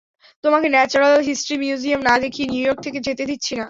তোমাকে natural history museum না দেখিয়ে নিউইয়র্ক থেকে যেতে দিচ্ছি না!